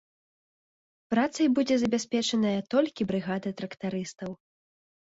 Працай будзе забяспечаная толькі брыгада трактарыстаў.